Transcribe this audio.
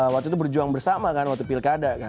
waktu itu berjuang bersama kan waktu pilkada kan